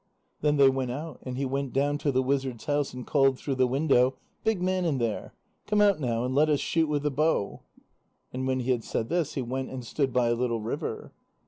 Then they went out, and he went down to the wizard's house, and called through the window: "Big man in there; come out now and let us shoot with the bow!" And when he had said this, he went and stood by a little river.